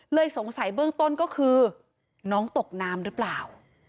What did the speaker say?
สงสัยเบื้องต้นก็คือน้องตกน้ำหรือเปล่า